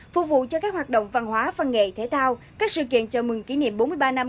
phục vụ cho các hoạt động văn hóa văn nghệ thể thao các sự kiện chào mừng kỷ niệm bốn mươi ba năm